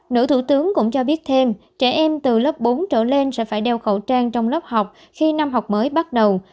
nữ thủ tướng cũng cho biết thêm trẻ em từ lớp bốn trở lên sẽ phải đeo khẩu trang trong lớp học khi năm học mới bắt đầu